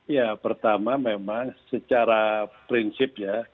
ya pertama memang secara prinsip ya